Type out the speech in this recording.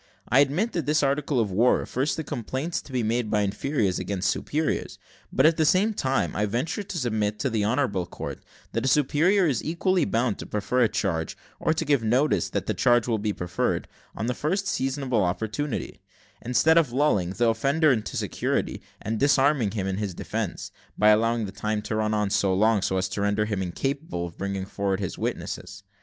I admit that this article of war refers to complaints to be made by inferiors against superiors; but, at the same time, I venture to submit to the honourable court, that a superior is equally bound to prefer a charge, or to give notice that that charge will be preferred, on the first seasonable opportunity, instead of lulling the offender into security, and disarming him in his defence, by allowing the time to run on so long as to render him incapable of bringing forward his witnesses.